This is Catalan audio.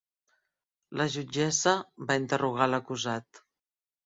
La jutgessa va interrogar l'acusat.